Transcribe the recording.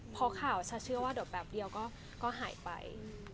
เพราะข่าวฉันเชื่อว่าเดี๋ยวแป๊บเดียวก็หายไป